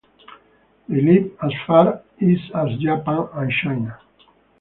They live as far east as Japan and China.